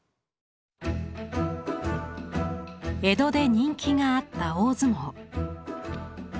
江戸で人気があった大相撲。